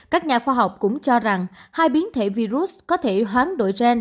các nhà khoa học cũng cho rằng hai biến thể virus có thể hoán đổi gen